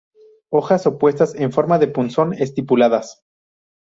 Hojas opuestas, en forma de punzón, estipuladas.